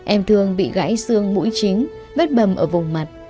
em thương bị gãy xương mũi chính vết bầm ở vùng mặt